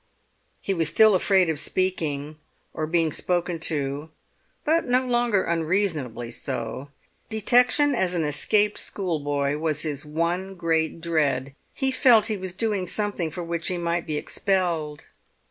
He was still afraid of speaking or being spoken to, but no longer unreasonably so. Detection as an escaped schoolboy was his one great dread; he felt he was doing something for which he might be expelled.